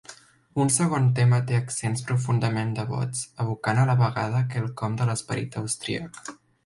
Un segon tema té accents profundament devots, evocant a la vegada quelcom de l'esperit austríac.